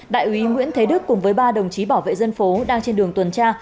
đại úy nguyễn thế đức cùng với ba đồng chí bảo vệ dân phố đang trên đường tuần tra